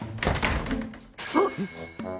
あっ！